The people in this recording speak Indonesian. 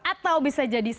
atau bisa jadi